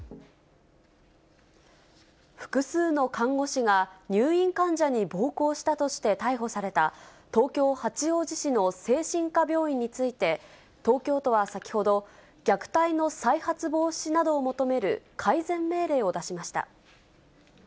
複数の看護師が、入院患者に暴行したとして逮捕された東京・八王子市の精神科病院について、東京都は先ほど、虐待の再発防止などを求める改善命令を出しました。